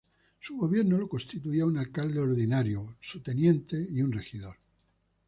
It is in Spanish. Su gobierno lo constituían un alcalde ordinario, su teniente y un regidor.